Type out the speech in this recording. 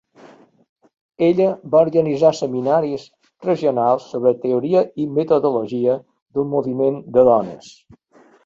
Ella va organitzar seminaris regionals sobre teoria i metodologia del moviment de dones.